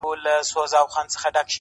• وايه څرنگه پرته وي پړسېدلې,